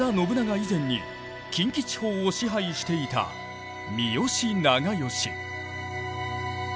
以前に近畿地方を支配していた三好長慶。